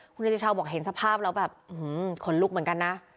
คุณเนติชาวบอกเห็นสภาพแล้วแบบขนลุกเหมือนกันนะ